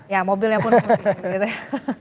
ya mobilnya pun putih